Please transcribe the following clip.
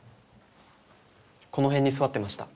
この辺に座ってました。